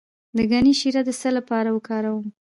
د ګني شیره د څه لپاره وکاروم؟